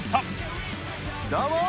どうも！